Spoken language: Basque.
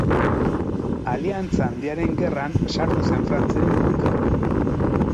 Aliantza Handiaren Gerran sartu zen Frantziaren kontra.